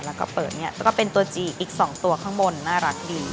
แล้วก็เปิดเนี่ยแล้วก็เป็นตัวจีอีก๒ตัวข้างบนน่ารักดี